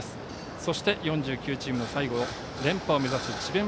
そして、４９チームの最後は連覇を目指す智弁